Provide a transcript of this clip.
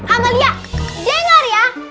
amalia dengar ya